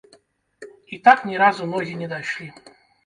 І так ні разу ногі не дайшлі.